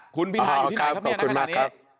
คุณพิทาอยู่ที่ไหนครับแม่นักขนาดนี้